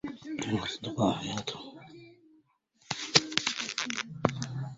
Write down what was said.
كانوا أصدقاءا حياتهم.